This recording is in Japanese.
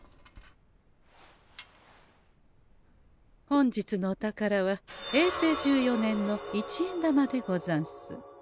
本日のお宝は平成十四年の一円玉でござんす。